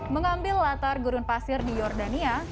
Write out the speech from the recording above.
mengambil latar gurun pasir di jordania